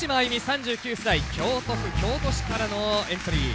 ３９歳京都府京都市からのエントリー。